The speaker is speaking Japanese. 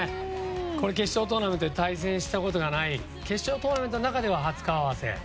決勝トーナメントで対戦したことがない決勝トーナメントの中では初顔合わせ。